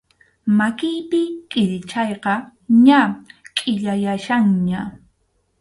Makiypi kʼirichayqa ña kʼillayachkanña.